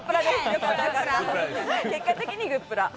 結果的にグップラ。